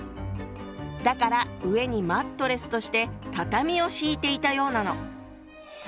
だから上にマットレスとして畳を敷いていたようなの。